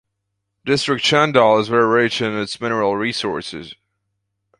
District Shahdol is very rich in its mineral resources.